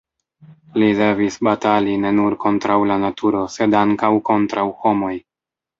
Li devis batali ne nur kontraŭ la naturo, sed ankaŭ kontraŭ homoj.